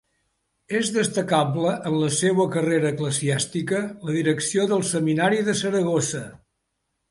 És destacable en la seua carrera eclesiàstica la direcció del Seminari de Saragossa.